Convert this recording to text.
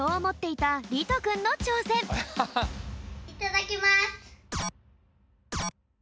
いただきます！